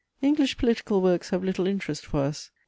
English political works have little interest for us.